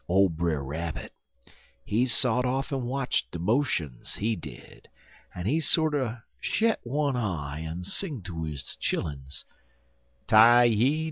Ole Brer Rabbit, he sot off en watch de motions, he did, en he sorter shet one eye en sing to his chilluns: "'Ti yi!